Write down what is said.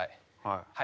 はい。